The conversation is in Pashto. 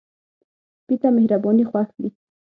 سپي ته مهرباني خوښ وي.